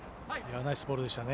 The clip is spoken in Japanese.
ナイスボールでしたね。